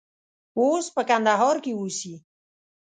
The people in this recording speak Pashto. اوس په کندهار کې اوسي.